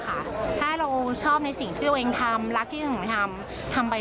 ถ้าเราชอบในสิ่งที่ตัวเองทำรักที่หนูทำทำไป